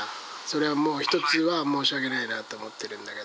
それは申し訳ないなと思ってるんだけど。